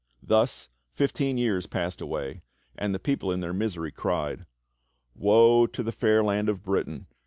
Thus fifteen years passed away, and the people in their misery cried : "Woe to the fair land of Britain!